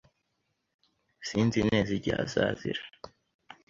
Sinzi neza igihe azazira.